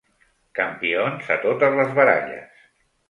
Campions a totes les baralles.